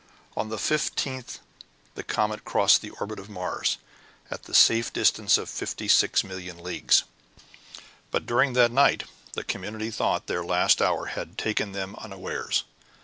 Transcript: On the 15th the comet crossed the orbit of Mars, at the safe distance of 56,000,000 leagues; but during that night the community thought that their last hour had taken them unawares.